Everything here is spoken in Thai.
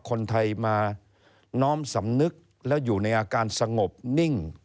คนไทยมาน้อมสำนึกแล้วอยู่ในอาการสงบนิ่ง